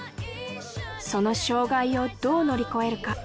その障害をどう乗り越えるか